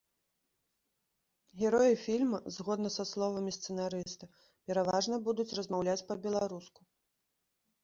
Героі фільма, згодна са словамі сцэнарыста, пераважна будуць размаўляць па-беларуску.